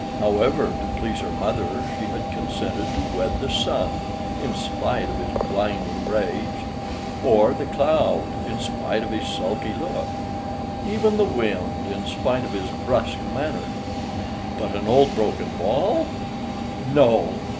However, to please her mother, she had consented to wed the Sun, in spite of his blinding rays, or the cloud, in spite of his sulky look, even the wind, in spite of his brusque manner; but an old, broken wall!... No!